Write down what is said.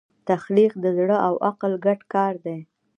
تخلیق د زړه او عقل ګډ کار دی.